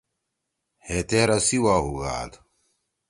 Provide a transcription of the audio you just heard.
ہے تے رسی وا ہُوگأد۔